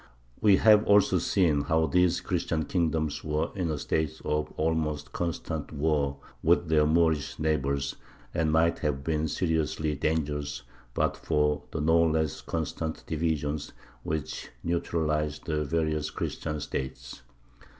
We have also seen how these Christian kingdoms were in a state of almost constant war with their Moorish neighbours, and might have been seriously dangerous but for the no less constant divisions which neutralized the various Christian States.